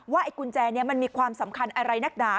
ไอ้กุญแจนี้มันมีความสำคัญอะไรนักหนา